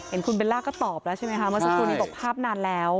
เห็นคุณเบลล่าก็ตอบแล้วใช่ไหมคะเมื่อสักครู่นี้บอกภาพนานแล้ว